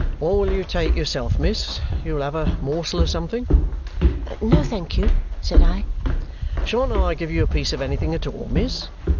"What will you take yourself, miss? You'll take a morsel of something?" "No, thank you," said I. "Shan't I give you a piece of anything at all, miss?"